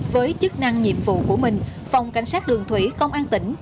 với chức năng nhiệm vụ của mình phòng cảnh sát đường thủy công an tỉnh